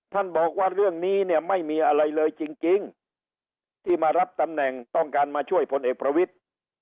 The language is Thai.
บอกว่าเรื่องนี้เนี่ยไม่มีอะไรเลยจริงที่มารับตำแหน่งต้องการมาช่วยพลเอกประวิทธิ์